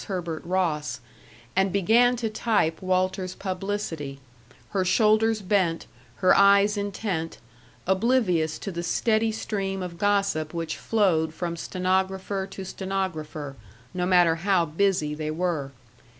Herbert Ross, and began to type Walter's publicity, her shoulders bent, her eyes intent, oblivious to the steady stream of gossip which flowed from stenographer to stenographer, no matter how busy they were.